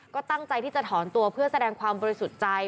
ก็ตั้งใจที่จะถอนตัวเพื่อแสดงความบริสุทธิ์ใจ